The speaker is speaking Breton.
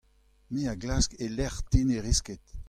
Me a glask e-lec'h te ne rez ket.